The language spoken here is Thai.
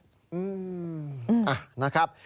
อืมนะครับ